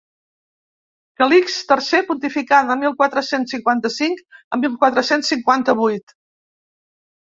Calixt tercer pontificà de mil quatre-cents cinquanta-cinc a mil quatre-cents cinquanta-vuit.